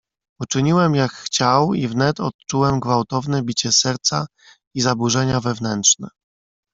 "Uczyniłem jak chciał i wnet odczułem gwałtowne bicie serca i zaburzenia wewnętrzne."